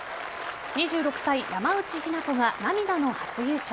２６歳、山内日菜子が涙の初優勝。